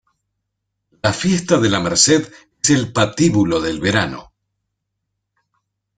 La fiesta de la Merced es el patíbulo del verano.